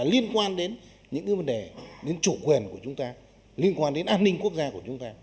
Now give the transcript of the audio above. liên quan đến những vấn đề đến chủ quyền của chúng ta liên quan đến an ninh quốc gia của chúng ta